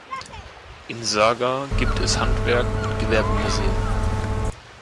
In Sagar gibt es das Handwerk- und Gewerbemuseum.